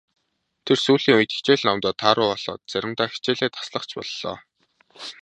Тэр сүүлийн үед хичээл номдоо тааруу болоод заримдаа хичээлээ таслах ч боллоо.